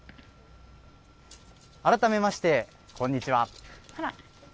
改めまして、こんにちは。